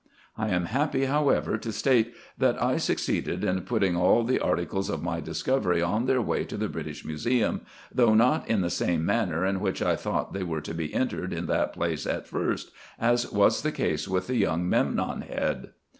I am happy, however, to state, that I suc ceeded in putting all the articles of my discovery on their way to the British Museum, though not in the same manner in which I thought they were to be entered in that place at first, as was the case with the young Memnon head.